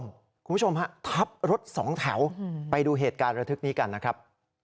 คุณผู้ชมฮะทับรถสองแถวไปดูเหตุการณ์ระทึกนี้กันนะครับ